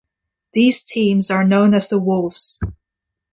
These teams are known as the Wolves.